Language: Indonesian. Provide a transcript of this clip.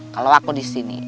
kalau aku disini